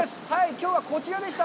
きょうはこちらでした。